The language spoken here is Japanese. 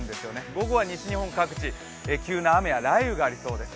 午後は西日本各地急な雨や雷雨がありそうです。